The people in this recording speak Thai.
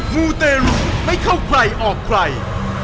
มูเตรุไม่เข้าใครออกใคร